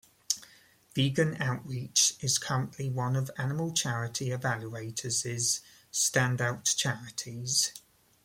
Vegan Outreach is currently one of Animal Charity Evaluators' Standout Charities.